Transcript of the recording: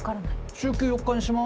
「週休４日にします」